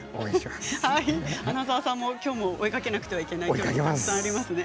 穴澤さんも、きょうも追いかけなくてはいけないのたくさんありますね。